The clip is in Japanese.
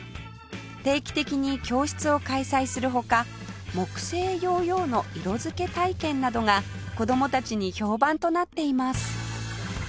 定期的に教室を開催する他木製ヨーヨーの色付け体験などが子供たちに評判となっています